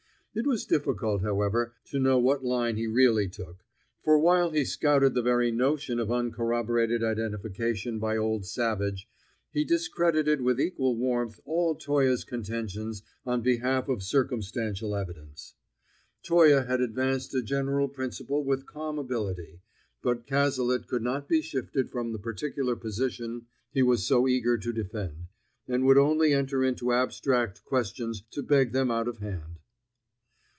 It was difficult, however, to know what line he really took; for while he scouted the very notion of uncorroborated identification by old Savage, he discredited with equal warmth all Toye's contentions on behalf of circumstantial evidence. Toye had advanced a general principle with calm ability, but Cazalet could not be shifted from the particular position he was so eager to defend, and would only enter into abstract questions to beg them out of hand.